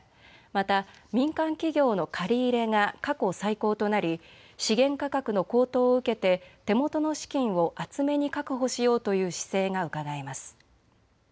また、民間企業の借入が過去最高となり資源価格の高騰を受けて手元の資金を厚めに確保しようという姿勢がうかがえます。